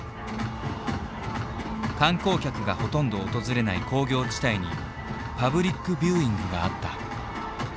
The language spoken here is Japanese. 観光客がほとんど訪れない工業地帯にパブリックビューイングがあった。